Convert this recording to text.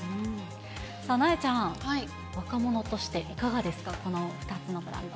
なえちゃん、若者としていかがですか、この２つのブランド。